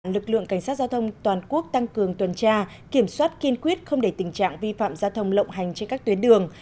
lực lượng cảnh sát giao thông toàn quốc tăng cường tuần tra kiểm soát kiên quyết không để tình trạng vi phạm giao thông lộng hành trên các tuyến đường